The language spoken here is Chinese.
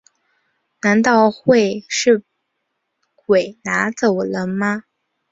难道会是鬼拿走了吗